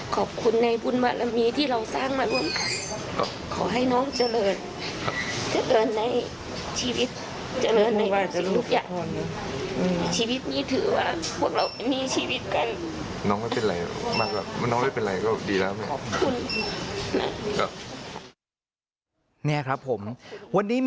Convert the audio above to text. ขอบคุณในบุญวาระมีที่เราสร้างมาร่วมกัน